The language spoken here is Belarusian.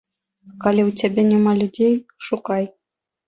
Калі ў цябе няма людзей, шукай.